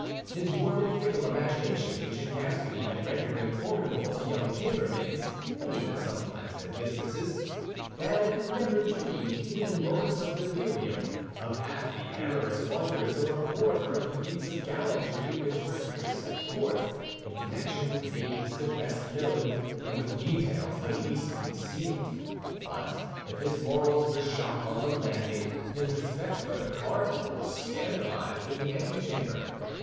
His warm and fickle imagination, which in Gascony had rendered him formidable to young chambermaids, and even sometimes their mistresses, had never dreamed, even in moments of delirium, of half the amorous wonders or a quarter of the feats of gallantry which were here set forth in connection with names the best known and with details the least concealed. But if his morals were shocked on the landing, his respect for the cardinal was scandalized in the antechamber.